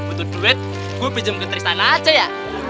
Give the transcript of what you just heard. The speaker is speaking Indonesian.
butuh duit gue pinjam ke tristana aja ya